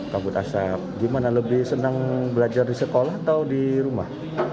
kabut asap gimana lebih senang belajar di sekolah atau di rumah